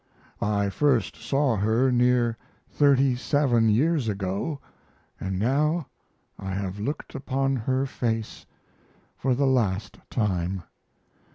I first saw her near 37 years ago, & now I have looked upon her face for the last time.